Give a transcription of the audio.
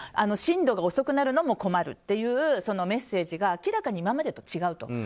進度が遅くなるのも困るっていうのもメッセージが明らかに今までと違うと。